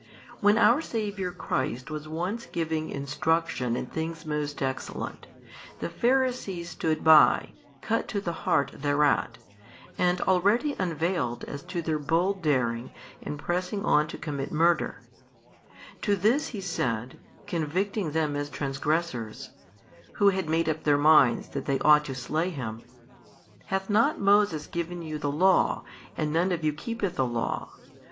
When our Saviour Christ was once giving instruction in things most excellent, the Pharisees stood by cut to the heart thereat, and already unveiled as to their bold daring and pressing on to commit murder; to this He said, convicting them as transgressors, who had made up their minds that they ought to slay Him, Hath not Moses given you the law, and none of you keepeth the Law?